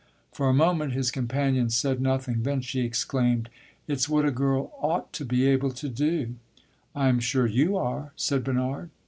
For a moment his companion said nothing; then she exclaimed "It 's what a girl ought to be able to do!" "I am sure you are!" said Bernard.